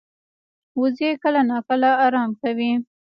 وزې کله ناکله آرام کوي